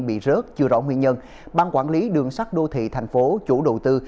bị rớt chưa rõ nguyên nhân ban quản lý đường sắt đô thị tp chủ đầu tư